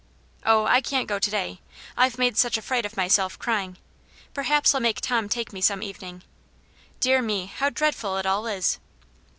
" Oh, I can't go to day — IVe made such a fright of myself, crying. Perhaps 1*11 make Tom take me some evening. Dear me, how dreadful it all is